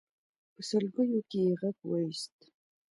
په سلګيو کې يې غږ واېست.